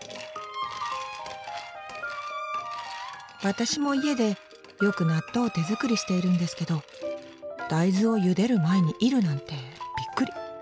私も家でよく納豆を手作りしているんですけど大豆をゆでる前に煎るなんてビックリ。